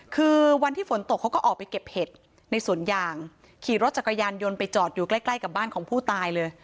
คือวันที่ฝนตกเขาก็ออกไปเก็บเห็ดในสวนยางขี่รถจักรยานยนต์ไปจอดอยู่ใกล้ใกล้กับบ้านของผู้ตายเลย